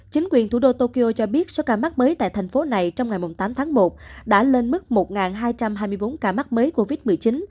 chính quyền thủ đô tokyo cho biết số ca mắc mới tại thành phố này trong ngày tám tháng một đã lên mức một hai trăm hai mươi bốn ca mắc mới covid một mươi chín